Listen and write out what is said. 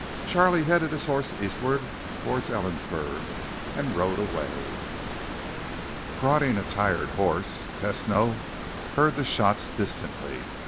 Charlie headed his horse eastward toward Ellensburg and rode away. Prodding a tired horse, Tesno heard the shots distantly.